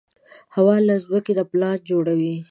هو، له مخکې نه پلان جوړوم